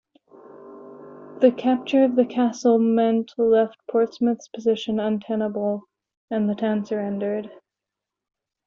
The capture of the castle meant left Portsmouth's position untenable and the town surrendered.